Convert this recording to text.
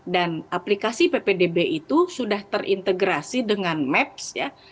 dan aplikasi ppdb itu sudah terintegrasi dengan maps